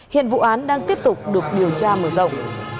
hiện vụ án đang tiếp tục được điều tra mở rộng